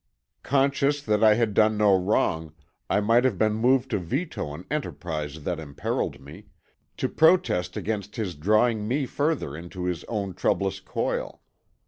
Conscious that I had done no wrong I might have been moved to veto an enterprise that imperiled me, to protest against his drawing me further into his own troublous coil.